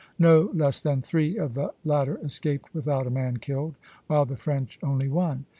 No less than three of the latter escaped without a man killed, while of the French only one.